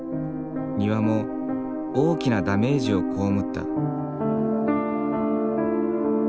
庭も大きなダメージを被った。